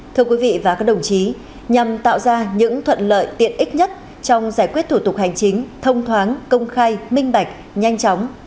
thưa quý vị và các đồng chí nhằm tạo ra những thuận lợi tiện ích nhất trong giải quyết thủ tục hành chính thông thoáng công khai minh bạch nhanh chóng